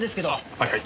はいはい。